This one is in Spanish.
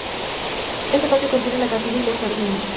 Este patio contiene la capilla y los jardines.